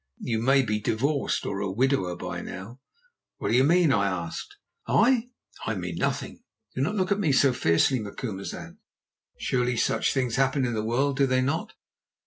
You may be divorced or a widower by now." "What do you mean?" I asked. "I? I mean nothing; do not look at me so fiercely, Macumazahn. Surely such things happen in the world, do they not?"